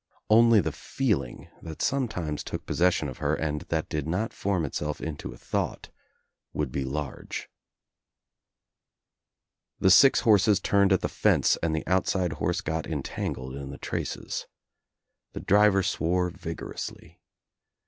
Only the feeling that sometimes took possession of her, and that did not form Itself into a thought would be large. The six horses turned at the fence and the outside horse got entangled in the traces. The driver swore vigorously.